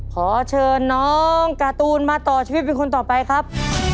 ขอเชิญน้องการ์ตูนมาต่อชีวิตเป็นคนต่อไปครับ